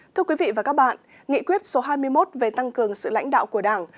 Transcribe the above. thưa quý vị và các bạn nghị quyết số hai mươi một về tăng cường sự lãnh đạo của đảng